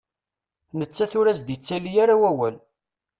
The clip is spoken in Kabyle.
Nettat ur as-d-ittali ara wawal.